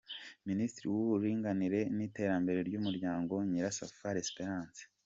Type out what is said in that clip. Minisitiri w’Uburinganire n’Iterambere ry’Umuryango : Nyirasafali Esperance